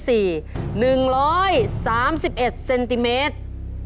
๑๓๑เซนติเมตร